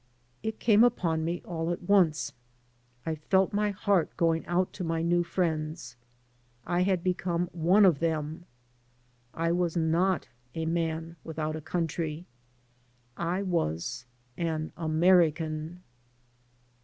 It came upon me all at once. I felt my heart going out to my new friends. I had become one of them. I was not a man without a coimtry. I was an American.